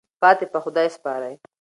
پاتې په خدای سپارئ.